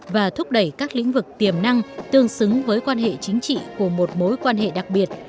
và thúc đẩy các lĩnh vực tiềm năng tương xứng với quan hệ chính trị của một mối quan hệ đặc biệt